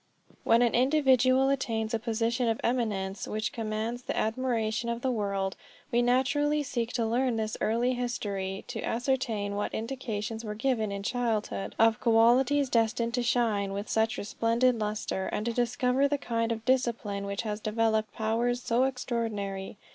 When an individual attains a position of eminence which commands the admiration of the world, we naturally seek to learn his early history, to ascertain what indications were given in childhood of qualities destined to shine with such resplendent lustre, and to discover the kind of discipline which has developed powers so extraordinary.